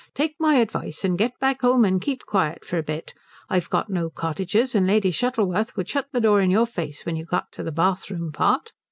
Take my advice and get back home and keep quiet for a bit. I've got no cottages, and Lady Shuttleworth would shut the door in your face when you got to the bathroom part.